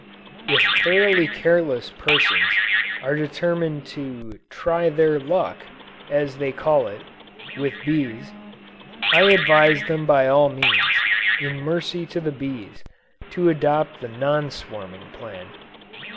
If thoroughly careless persons are determined to "try their luck," as they call it, with bees, I advise them by all means, in mercy to the bees, to adopt the non swarming plan.